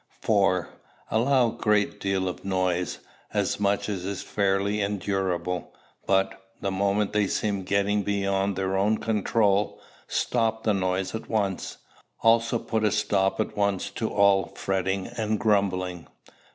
4. Allow a great deal of noise, as much as is fairly endurable; but, the moment they seem getting beyond their own control, stop the noise at once. Also put a stop at once to all fretting and grumbling.